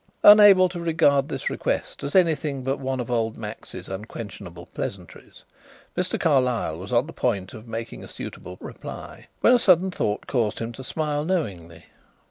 Unable to regard this request as anything but one of old Max's unquenchable pleasantries, Mr. Carlyle was on the point of making a suitable reply when a sudden thought caused him to smile knowingly.